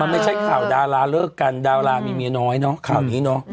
ไม่ใช่ข่าวดาราเลิกกันดารามีเมียน้อยเนอะข่าวนี้เนาะ